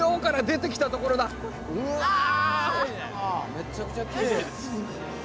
めっちゃくちゃきれい。